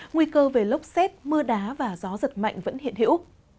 nguy cơ về lốc xét mưa đá và gió giật mạnh vẫn hiện hữu